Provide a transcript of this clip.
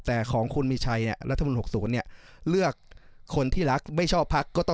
ตรงที่ของคุณมีชัย